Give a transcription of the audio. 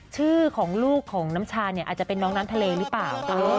ชื่อของลูกของน้ำชาเนี่ยอาจจะเป็นน้องน้ำทะเลหรือเปล่า